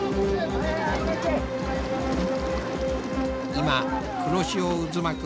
今黒潮渦巻く